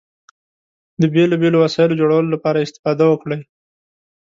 د بېلو بېلو وسایلو جوړولو لپاره استفاده وکړئ.